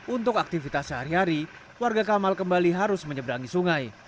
untuk aktivitas sehari hari warga kamal kembali harus menyeberangi sungai